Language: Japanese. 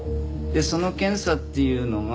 でその検査っていうのが。